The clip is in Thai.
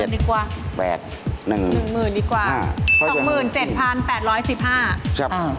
๒๗๘๑๑ดีกว่า๑หมื่นดีกว่า